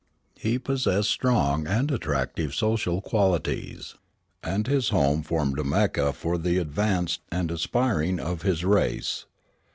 He possessed strong and attractive social qualities, and his home formed a Mecca for the advanced and aspiring of his race.